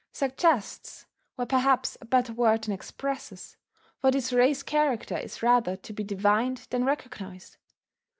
"Suggests" were perhaps a better word than "expresses," for this race character is rather to be divined than recognized.